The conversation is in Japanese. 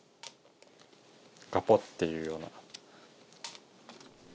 カポッていうような。